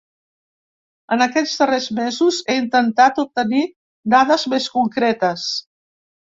En aquests darrers mesos he intentat obtenir dades més concretes.